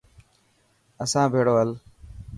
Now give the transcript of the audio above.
اسان بهڙو هل.